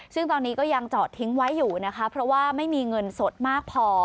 ซึ่งตอนนี้ก็ยังจอดทิ้งไว้อยู่นะคะเพราะว่าไม่มีเงินสดมากพอ